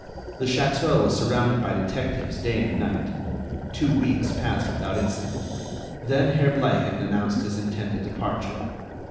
The château was surrounded by detectives day and night. Two weeks passed without incident. Then Herr Bleichen announced his intended departure.